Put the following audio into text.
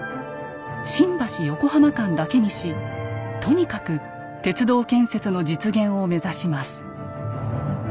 新橋・横浜間だけにしとにかく鉄道建設の実現を目指します。